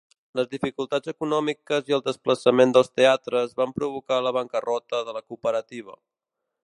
Les dificultats econòmiques i el desplaçament dels teatres van provocar la bancarrota de la cooperativa.